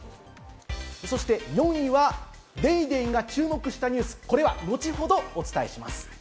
４位は『ＤａｙＤａｙ．』が注目したニュース、これは後ほどお伝えします。